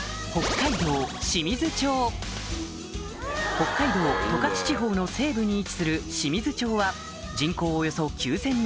北海道十勝地方の西部に位置する清水町は人口およそ９０００人